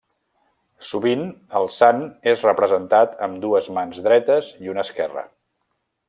Sovint, el sant és representat amb dues mans dretes i una esquerra.